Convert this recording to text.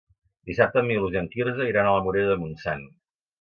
Dissabte en Milos i en Quirze iran a la Morera de Montsant.